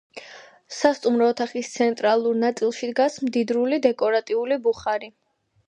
სასტუმრო ოთახის ცენტრალურ ნაწილში დგას მდიდრული დეკორატიული ბუხარი.